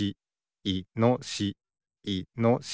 いのしし。